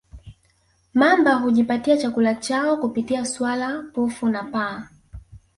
mamba hujipatia chakula chao kupitia swala pofu na paa